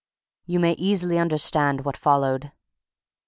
You may easily understand what followed.